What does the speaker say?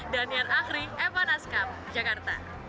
dan yang akhir eva nazcam jakarta